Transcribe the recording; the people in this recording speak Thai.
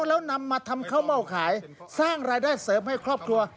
แล้วนำมาทำข้าวเม่าขายสร้างรายได้เสริมให้ครอบครัว